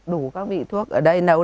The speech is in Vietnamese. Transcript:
đủ các vị thuốc ở đây nấu